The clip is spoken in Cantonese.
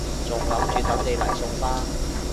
仲諗住等你嚟送花